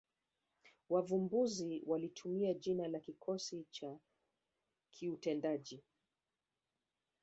Wavumbuzi walitumia jina la kikosi cha kiutendaji